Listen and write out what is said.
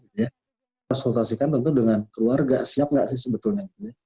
konsultasikan tentu dengan keluarga siap nggak sih sebetulnya